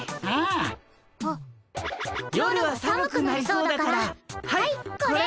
夜は寒くなりそうだからはいこれ。